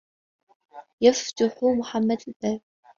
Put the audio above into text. يَفْتَحُ مُحَمَّدٌ الْبَابَ.